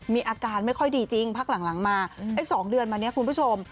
มีอาการไม่ค่อยดีจริงพักหลังมาไอ้๒เดือนมาเนี่ยคุณผู้ชม